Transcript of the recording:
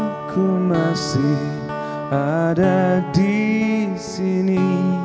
aku masih ada disini